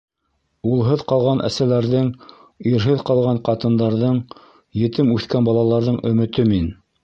Улһыҙ ҡалған әсәләрҙең, ирһеҙ ҡалған ҡатындарҙың, етем үҫкән балаларҙың өмөтө мин.